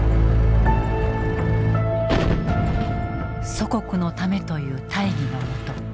「祖国のため」という大義のもと